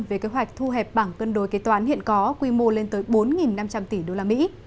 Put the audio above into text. về kế hoạch thu hẹp bảng cân đối kế toán hiện có quy mô lên tới bốn năm trăm linh tỷ usd